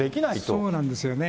そうなんですよね。